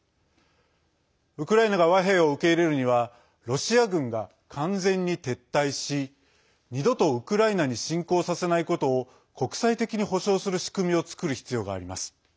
ウクライナが和平を受け入れるにはロシア軍が完全に撤退し、二度とウクライナに侵攻させないことを国際的に保障する仕組みを作る必要があります。